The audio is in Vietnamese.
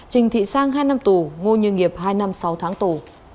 trình thị sang hai năm tù ngô như nghiệp hai năm sáu tháng tù